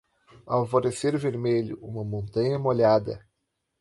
Alvorecer vermelho - uma montanha molhada.